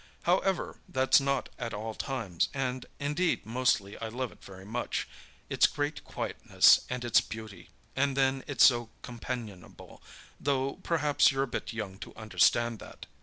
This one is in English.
However, that's not at all times, and indeed mostly I love it very much, its great quietness and its beauty; and then it's so companionable, though perhaps you're a bit young to understand that.